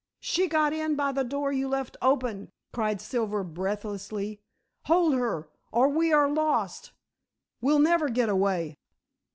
"She got in by the door you left open," cried Silver breathlessly, "hold her or we are lost; we'll never get away."